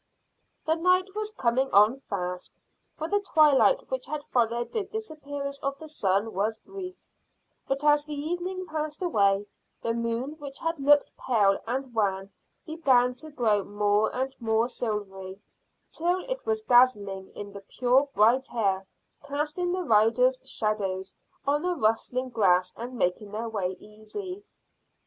The night was coming on fast, for the twilight which had followed the disappearance of the sun was brief; but as the evening passed away, the moon which had looked pale and wan began to grow more and more silvery, till it was dazzling in the pure bright air, casting the riders' shadows on the rustling grass and making their way easy.